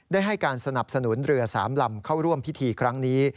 ได้ให้การสนับสนุนเรือ๓ลำเข้าร่วมพิธีครั้งนี้